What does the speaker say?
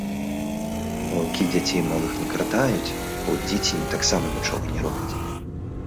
Ваўкі дзяцей малых не кратаюць, бо дзеці ім таксама нічога не робяць.